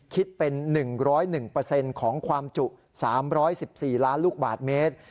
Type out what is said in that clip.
คิดเป็น๑๐๑ของความจุ๓๑๔ล้านลูกบาทเมตร